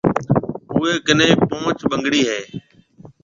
اوَي ڪنَي پونچ ٻنگڙَي هيَ۔